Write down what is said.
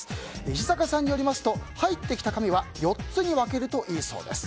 石阪さんによりますと入ってきた紙は４つに分けるといいそうです。